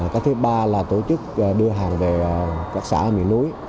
cái thứ ba là tổ chức đưa hàng về các xã miền núi